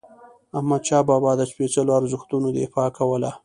احمدشاه بابا د سپيڅلو ارزښتونو دفاع کوله.